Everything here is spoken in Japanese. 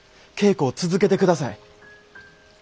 稽古を続けてください。